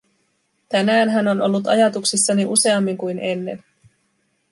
Tänään hän on ollut ajatuksissani useammin kuin ennen.